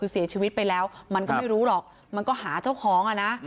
คือเสียชีวิตไปแล้วมันก็ไม่รู้หรอกมันก็หาเจ้าของอ่ะนะ